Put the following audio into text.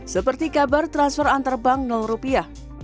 seperti kabar transfer antar bank rupiah